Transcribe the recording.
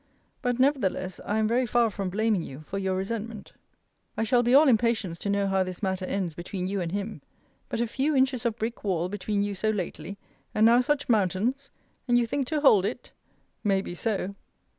But nevertheless I am very far from blaming you for your resentment. * See Letter XX. I shall be all impatience to know how this matter ends between you and him. But a few inches of brick wall between you so lately; and now such mountains? And you think to hold it? May be so!